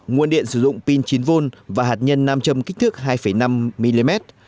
nguồn điện sử dụng pin chín vol và hạt nhân nam châm kích thước hai năm mm